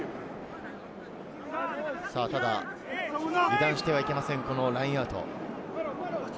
ただ油断してはいけません、ラインアウト。